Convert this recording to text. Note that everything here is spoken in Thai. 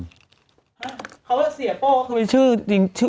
เขาว่าเสียโป้คือเป็นชื่อ